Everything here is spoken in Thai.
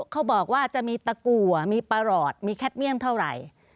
เขาบอกว่าจะมีตะกัวมีประหลอดมีแคทเมี่ยมเท่าไหร่